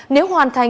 nếu hoàn thành